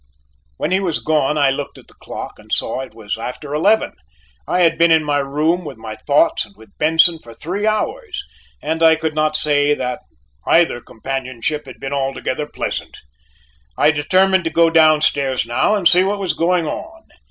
When he was gone I looked at the clock, and saw it was after eleven. I had been in my room with my thoughts and with Benton for three hours, and I could not say that either companionship had been altogether pleasant. I determined to go downstairs now and see what was going on.